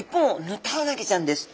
ヌタウナギちゃんです。